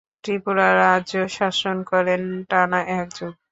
ত্রিপুরা রাজ্য শাসন করেন টানা এক যুগ।